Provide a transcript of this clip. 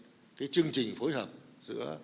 và cũng là những chương trình phối hợp giữa